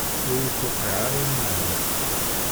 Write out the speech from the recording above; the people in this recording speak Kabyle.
Ur iyi-tuqiɛ ara lmeɛna.